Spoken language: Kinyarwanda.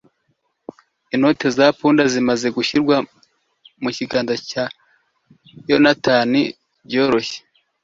inoti za pound zimaze gushyirwa mukiganza cye, yonatani byoroshye